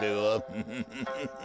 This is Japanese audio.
フフフフフ。